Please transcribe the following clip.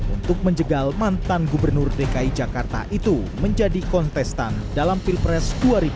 untuk menjegal mantan gubernur dki jakarta itu menjadi kontestan dalam pilpres dua ribu dua puluh